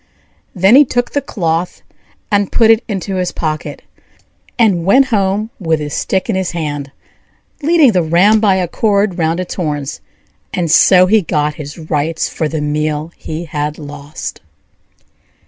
Then he took the cloth and put it into his pocket, and went home with his stick in his hand, leading the ram by a cord round its horns; and so he got his rights for the meal he had lost.